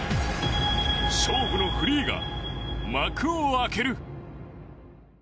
勝負のフリーが幕を開ける！